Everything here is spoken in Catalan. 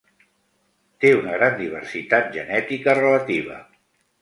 Té una gran diversitat genètica relativa.